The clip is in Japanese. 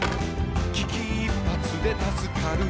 「危機一髪で助かる」